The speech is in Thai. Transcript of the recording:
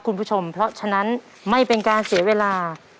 คุณผู้ชมเพราะฉะนั้นไม่เป็นการเสียเวลา